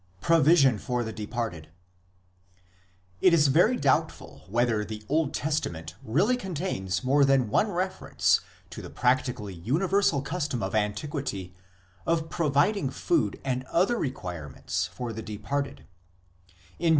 PROVISION FOR THE DEPARTED It is very doubtful whether the Old Testament really contains more than one reference to the practically uni versal custom of antiquity of providing food and other requirements for the departed ; in Deut.